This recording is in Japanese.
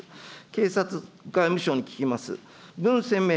警察外務省に聞きます。